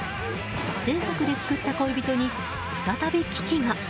前作で救った恋人に再び危機が。